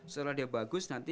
setelah dia bagus nanti